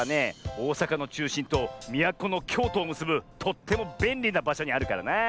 おおさかのちゅうしんとみやこのきょうとをむすぶとってもべんりなばしょにあるからなあ。